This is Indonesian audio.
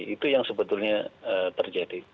itu yang sebetulnya terjadi